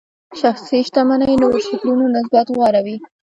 شخصي شتمنۍ نورو شکلونو نسبت غوره وي.